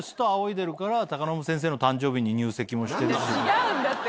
違うんだって。